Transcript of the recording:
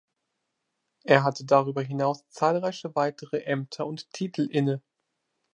Er hatte darüber hinaus zahlreiche weitere Ämter und Titel inne.